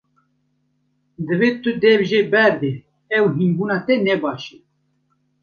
Divê tu dev jê berdî, ev hînbûna te ne baş e.